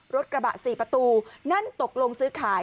รถกระบะ๔ประตูนั่นตกลงซื้อขาย